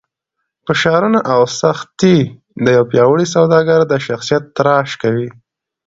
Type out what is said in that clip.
فشارونه او سختۍ د یو پیاوړي سوداګر د شخصیت تراش کوي.